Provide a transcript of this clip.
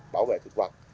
bảo vệ thực vật